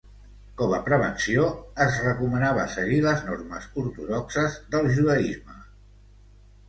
Com a prevenció es recomanava seguir les normes ortodoxes del judaisme.